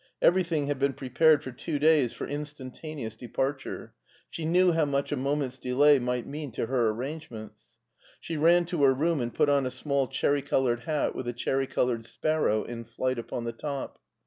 Everything had been prepared for two days for instantaneous departure; she knew how much a moment's delay might mean to her arrange ments. She ran to her room and put on a small cherry^ colored hat with a cherry colored sparrow in flight upon the top.